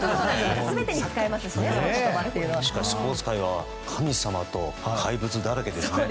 スポーツ界は神様と怪物だらけですね。